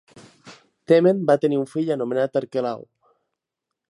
Temen va tenir un fill anomenat Arquelau.